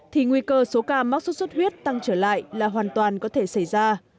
thì nguy cơ số ca mắc sốt xuất huyết tăng trở lại là hoàn toàn có thể xảy ra